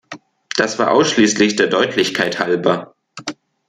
Das war ausschließlich der Deutlichkeit halber.